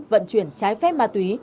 vận chuyển trái phép ma túy